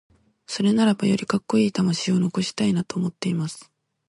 それならばよりカッコイイ魂を残したいなと思っています。